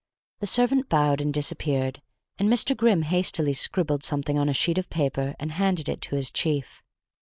The servant bowed and disappeared, and Mr. Grimm hastily scribbled something on a sheet of paper and handed it to his chief.